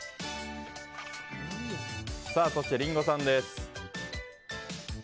そして、リンゴさんです。